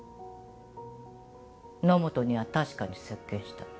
野本には確かに接見した。